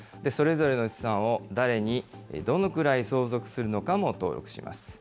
それぞれの資産を誰に、どのくらい相続するのかも登録します。